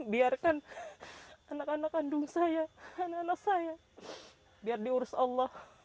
biarkan anak anak kandung saya anak anak saya biar diurus allah